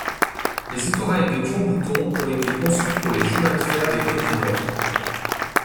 Les autorails De Dion-Bouton ont été conçus pour les Chemins de fer des Côtes-du-Nord.